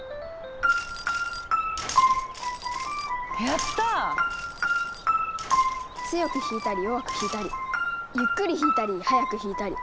やった！強く弾いたり弱く弾いたりゆっくり弾いたり速く弾いたり。